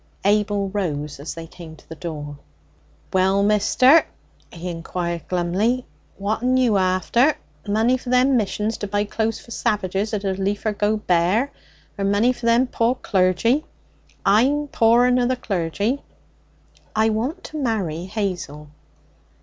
Abel rose as they came to the door. 'Well, mister,' he inquired glumly, 'what'n you after? Money for them missions to buy clothes for savages as 'd liefer go bare? Or money for them poor clergy? I'm poorer nor the clergy.' 'I want to marry Hazel.'